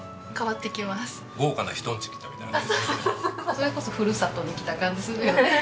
それこそふるさとに来た感じするよね。